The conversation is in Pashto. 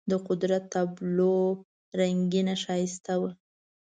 د قدرت تابلو رنګینه ښایسته وه.